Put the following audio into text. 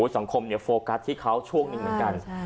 สังคมโฟกัสที่เขาช่วงหนึ่งเหมือนกัน